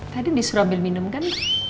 tadi disuruh beli minum kan